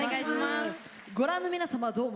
ご覧の皆様どうも。